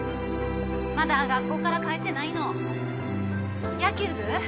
まだ学校から帰ってないの野球部？